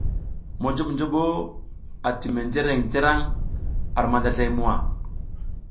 Monjoɓnjoɓo ati menjreŋ njǝraŋ ar mandazlay muwa.